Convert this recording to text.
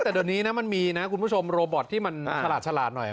แต่เดี๋ยวนี้นะมันมีนะคุณผู้ชมโรบอทที่มันฉลาดหน่อย